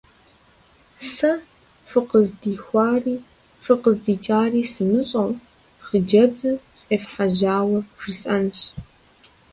Сэ, фыкъыздихуари фыкъыздикӀари сымыщӀэу, хъыджэбзыр сфӀефхьэжьауэ жысӀэнщ.